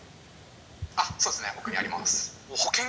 「あっそうですね。